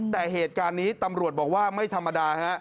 แต่เหตุการณ์นี้ตำรวจบอกว่าไม่ธรรมดาฮะ